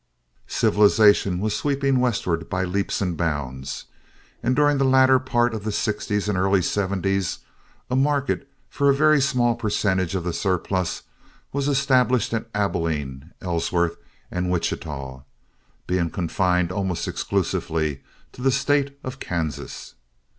Civilization was sweeping westward by leaps and bounds, and during the latter part of the '60's and early '70's, a market for a very small percentage of the surplus was established at Abilene, Ellsworth, and Wichita, being confined almost exclusively to the state of Kansas.